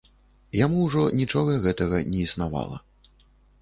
Яму ўжо нічога гэтага не існавала.